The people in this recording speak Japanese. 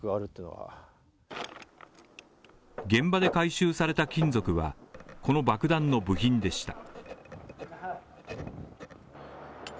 現場で回収された金属はこの爆弾の部品でした。